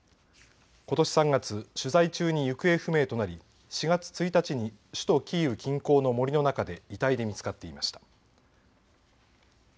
ことし３月、取材中に行方不明となり４月１日に首都キーウ近郊の森の中で遺体で見つかっていました。